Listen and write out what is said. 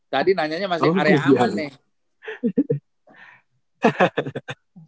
tadi nanyanya masih area aman nih